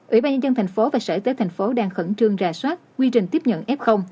ủy ban nhân dân thành phố và sở y tế thành phố đang khẩn trương rà soát quy trình tiếp nhận f